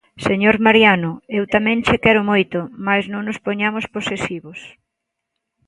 Señor Mariano, eu tamén che quero moito, mais non nos poñamos posesivos.